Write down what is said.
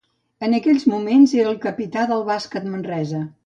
En aquells moments era el capità del Bàsquet Manresa.